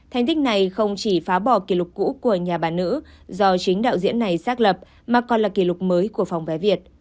thành tích này không chỉ phá bỏ kỷ lục cũ của nhà bà nữ do chính đạo diễn này xác lập mà còn là kỷ lục mới của phòng vé việt